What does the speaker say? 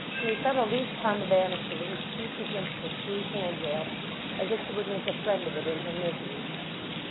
Lucetta leant upon the banister with her cheek against the smooth hand rail, as if she would make a friend of it in her misery.